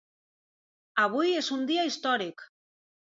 Avui és un dia històric.